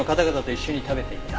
一緒に食べていた！？